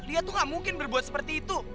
dia tuh gak mungkin berbuat seperti itu